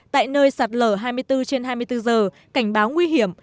tại nơi sạt lở hai mươi bốn trên hai mươi bốn giờ cảnh báo nguy hiểm